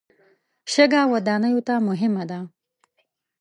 شګه ودانیو ته مهمه ده.